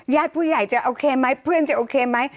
ญาติผู้ใหญ่จะโอเคไหมเพื่อนจะโอเคไหม